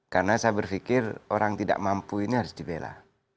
karena saya berpikir orang tidak mampu ini harus dibela